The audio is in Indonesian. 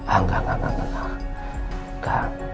enggak enggak enggak